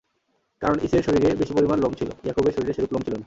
কারণ ঈসের শরীরে বেশি পরিমাণ লোম ছিল, ইয়াকূবের শরীরে সেরূপ লোম ছিল না।